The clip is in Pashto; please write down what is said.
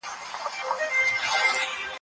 ګوره زما نقيـب په يوې ښـكلي ژوند تــېريـــږي نه